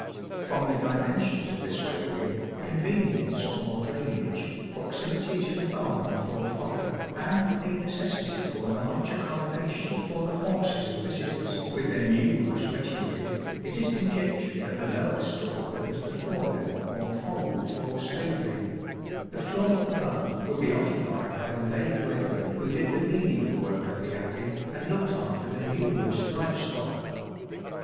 From the dimensions of this building, convenience for drainage, proximity to the barn for fodder, and the necessity for large accommodation for the horses of visitors with their numerous retinue, it is conjectured that the lower storey was the Fawden or Fold for stabling ; the floor above would be occupied by the lay brethren who did the menial work of the Abbey and looked after the numerous live stock.